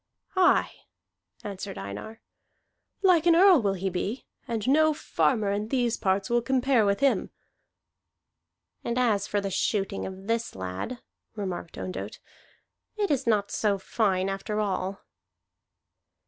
"Aye," answered Einar. "Like an Earl will he be, and no farmer of these parts will compare with him." "And as for the shooting of this lad," remarked Ondott, "it is not so fine after all."